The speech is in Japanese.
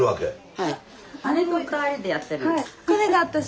はい。